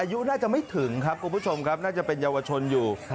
อายุน่าจะไม่ถึงครับคุณผู้ชมครับน่าจะเป็นเยาวชนอยู่